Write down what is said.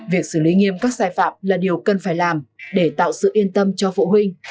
việc xử lý nghiêm các sai phạm là điều cần phải làm để tạo sự yên tâm cho phụ huynh